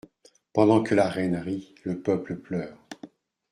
Pendant que La Reine rit, le peuple pleure.